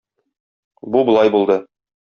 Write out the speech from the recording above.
Бу болай булды.